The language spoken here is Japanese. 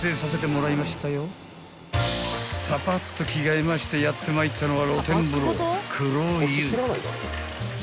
［パパッと着替えましてやってまいったのは］